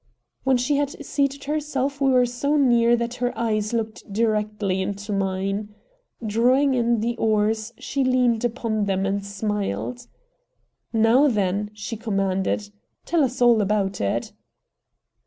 When she had seated herself we were so near that her eyes looked directly into mine. Drawing in the oars, she leaned upon them and smiled. "Now, then," she commanded, "tell us all about it."